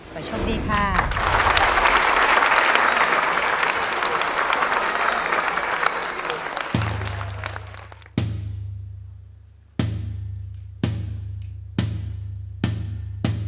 ขอโชคดีค่ะ